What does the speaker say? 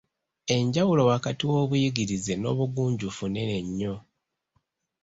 Enjawulo wakati w’obuyigirize n’obugunjufu nnene nnyo.